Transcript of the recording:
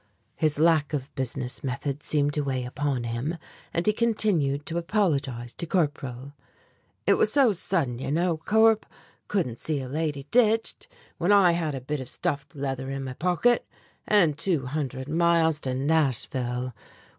His lack of business method seemed to weigh upon him, and he continued to apologize to Corporal: "It was so sudden, you know, Corp. Couldn't see a lady ditched, when I had a bit of stuffed leather in my pocket. And two hundred miles to Nashville!